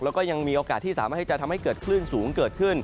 แล้วก็ยังมีโอกาสที่สามารถที่จะทำให้เกิดคลื่นสูงเกิดขึ้น